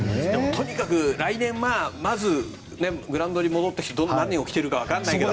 とにかく来年グラウンドに戻ってきて何を着ているかわからないけど。